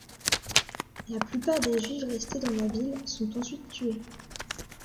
La plupart des Juifs restés dans la ville sont ensuite tués.